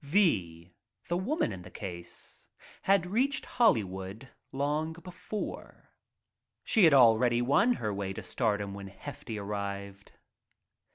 V , the woman in the case — had reached ood long before. She had already won her way to stardom when Hefty arrived.